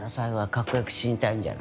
かっこよく。